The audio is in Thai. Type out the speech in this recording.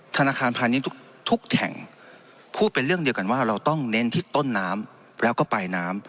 ธนาคารพาณิชย์ทุกแห่งพูดเป็นเรื่องเดียวกันว่าเราต้องเน้นที่ต้นน้ำแล้วก็ปลายน้ำ